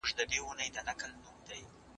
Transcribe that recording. کروت بې شیدو نه جوړیږي.